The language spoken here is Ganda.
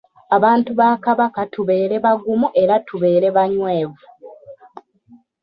Abantu ba Kabaka tubeere bagumu era tubeere banywevu.